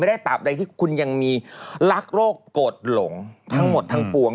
ได้ตามใดที่คุณยังมีรักโรคโกรธหลงทั้งหมดทั้งปวง